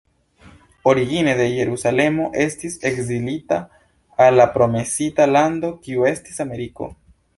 Origine de Jerusalemo, estis ekzilita al la promesita lando kiu estis Ameriko.